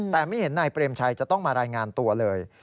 แต่ไม่เห็นนายเปรมชัยจะต้องมารายงานตัวเลย